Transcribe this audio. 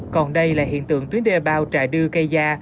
còn đây là hiện tượng tuyến đê bao trải đưa cây ra